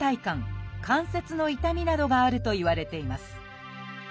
関節の痛みなどがあるといわれています。